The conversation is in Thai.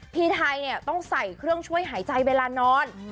พี่ไทยเนี่ยต้องใส่เครื่องช่วยหายใจเวลานอน